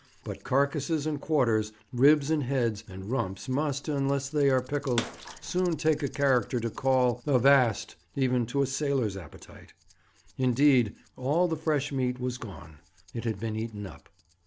But carcasses and quarters, ribs and heads, and rumps must, unless they are pickled, soon take a character to call 'avast,' even to a sailor's appetite. Indeed, all the fresh meat was gone. It had been eaten up.